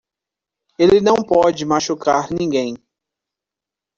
Ele não pode machucar ninguém.